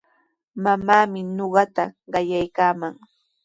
Mamaami ñuqata qayaykaaman.